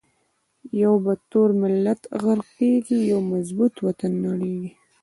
یو با تور ملت غر قیږی، یو مظبو ط وطن نړیزی